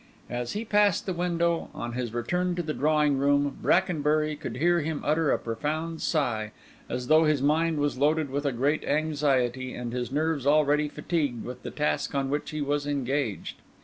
As he passed the window, on his return to the drawing room, Brackenbury could hear him utter a profound sigh, as though his mind was loaded with a great anxiety, and his nerves already fatigued with the task on which he was engaged.